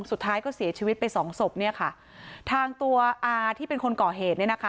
สุดท้ายก็เสียชีวิตไปสองศพเนี่ยค่ะทางตัวอาที่เป็นคนก่อเหตุเนี่ยนะคะ